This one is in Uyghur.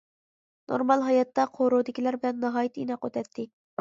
نورمال ھاياتتا قورۇدىكىلەر بىلەن ناھايىتى ئىناق ئۆتەتتى.